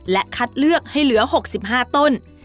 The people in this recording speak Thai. และคัดเลือกให้เหลือ๖๕ต้น